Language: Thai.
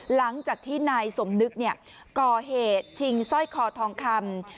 หลังจากที่นายสมนึกก่อเหตุชิงสร้อยคอทองคำ